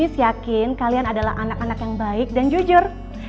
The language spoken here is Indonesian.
saya yakin kalian adalah anak anak yang baik dan jujur